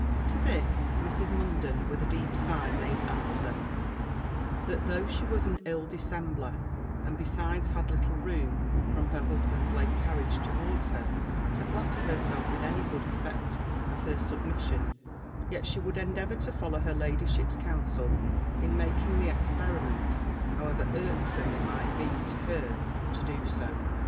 To this Mrs. Munden, with a deep sigh, made answer, that though she was an ill dissembler, and besides had little room, from her husband's late carriage towards her, to flatter herself with any good effect of her submission, yet she would endeavour to follow her ladyship's counsel, in making the experiment, however irksome it might be to her to do so.